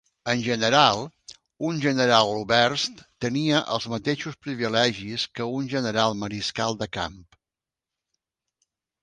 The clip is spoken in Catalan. En general, un Generaloberst tenia els mateixos privilegis que un general mariscal de camp.